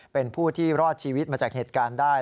เป็นผู้ที่รอดชีวิตมาจากเหตุการณ์ได้